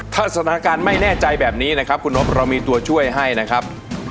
ถ้าสถานการณ์ไม่แน่ใจแบบนี้นะครับคุณนบเรามีตัวช่วยให้นะครับ